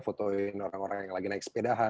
foto orang orang yang lagi naik sepeda